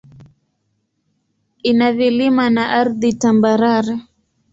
Ina vilima na ardhi tambarare.